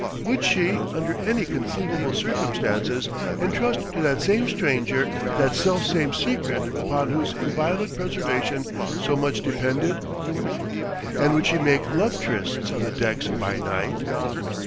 Would she, under any conceivable circumstances, entrust to that same stranger that selfsame secret upon whose inviolate preservation so much depended? And would she make love trysts on the decks by night?